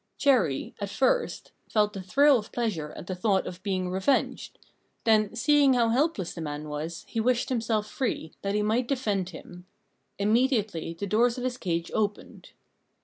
Chéri at first felt a thrill of pleasure at the thought of being revenged; then, seeing how helpless the man was, he wished himself free, that he might defend him. Immediately the doors of his cage opened.